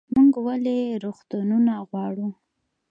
موږ ولې روغتونونه غواړو؟